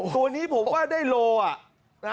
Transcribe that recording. ตัวนี้ผมว่าได้โล